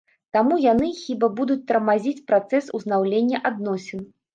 Таму яны, хіба, будуць тармазіць працэс узнаўлення адносін.